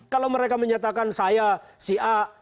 kalau mereka menyatakan saya si a